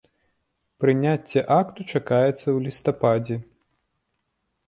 Прыняцце акту чакаецца ў лістападзе.